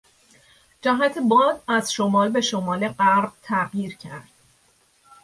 جهت باد از شمال به شمال غرب تغییر کرد.